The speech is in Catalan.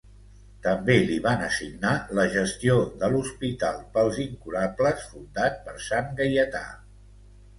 També li van assignar la gestió de l"hospital pels incurables, fundat per Sant Gaietà.